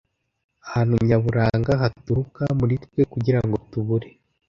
Ahantu nyaburanga haturuka muri twe kugirango tubure